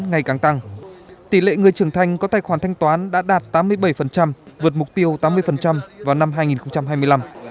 ngày càng tăng tỷ lệ người trưởng thanh có tài khoản thanh toán đã đạt tám mươi bảy vượt mục tiêu tám mươi vào năm hai nghìn hai mươi năm